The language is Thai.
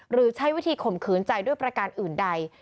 หรือใช้วิธีข่มขืนใจด้วยประการอื่นใด